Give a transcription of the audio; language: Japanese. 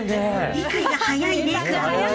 理解が早いね。